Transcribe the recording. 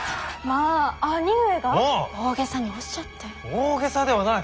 大げさではない。